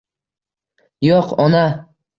Yo'q, ona.